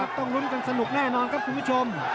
ต้องลุ้นกันสนุกแน่นอนครับคุณผู้ชม